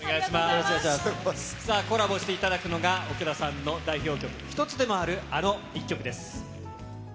コラボしていただくのが、奥田さんの代表曲の一つでもある、あの一曲です。